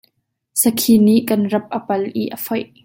Sakhi nih kan rap a pal i a foih.